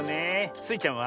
スイちゃんは？